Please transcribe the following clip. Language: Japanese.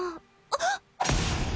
あっ！